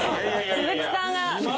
鈴木さんが。